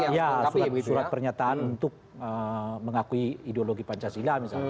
ya surat pernyataan untuk mengakui ideologi pancasila misalnya